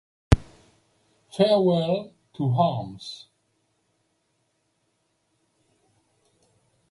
"Farewell to Arms"